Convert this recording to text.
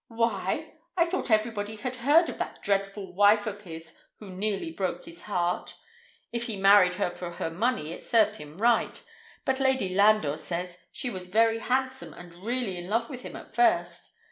"Why? I thought everybody had heard of that dreadful wife of his who nearly broke his heart. If he married her for her money it served him right, but Lady Landor says she was very handsome and really in love with him at first.